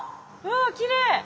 わきれい！